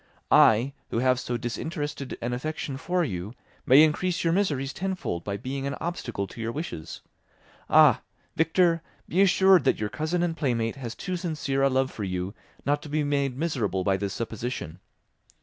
I, who have so disinterested an affection for you, may increase your miseries tenfold by being an obstacle to your wishes. Ah! Victor, be assured that your cousin and playmate has too sincere a love for you not to be made miserable by this supposition.